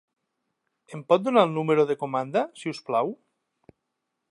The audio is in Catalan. Em pot donar el número de comanda, si us plau?